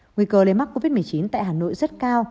nguy cơ lây mắc covid một mươi chín tại hà nội rất cao